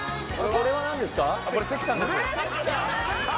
これ関さんです。